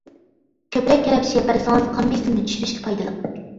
كۆپرەك كەرەپشە يەپ بەرسىڭىز قان بىسىمنى چۈشۈرۈشكە پايدىلىق.